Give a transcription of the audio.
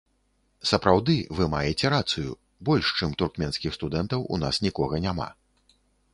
Сапраўды, вы маеце рацыю, больш, чым туркменскіх студэнтаў, у нас нікога няма.